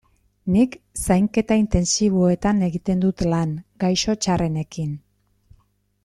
Nik Zainketa Intentsiboetan egiten dut lan, gaixo txarrenekin.